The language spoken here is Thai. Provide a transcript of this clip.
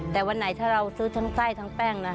แต่วันไหนถ้าเราซื้อทั้งไส้ทั้งแป้งนะ